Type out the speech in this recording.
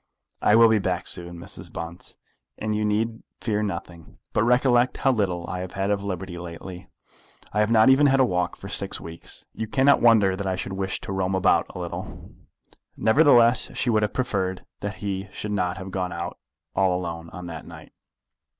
"I will be back soon, Mrs. Bunce, and you need fear nothing. But recollect how little I have had of liberty lately. I have not even had a walk for six weeks. You cannot wonder that I should wish to roam about a little." Nevertheless she would have preferred that he should not have gone out all alone on that night.